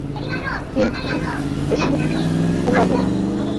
কিন্তু এশিয়াডের সোনা ধরে রাখার মিশন হারিয়ে গেল ভবিষ্যৎ অধিনায়কের আলোচনায়।